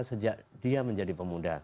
sejak dia menjadi pemuda